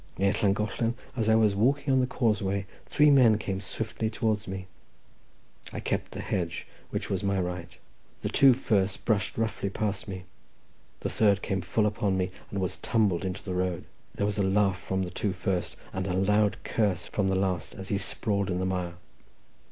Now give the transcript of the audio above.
Near Llangollen, as I was walking on the causeway, three men came swiftly towards me. I kept the hedge, which was my right; the two first brushed roughly past me, the third came full upon me, and was tumbled into the road. There was a laugh from the two first, and a loud curse from the last as he sprawled in the mire.